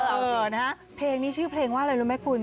เออนะฮะเพลงนี้ชื่อเพลงว่าอะไรรู้ไหมคุณ